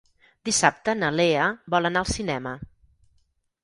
Dissabte na Lea vol anar al cinema.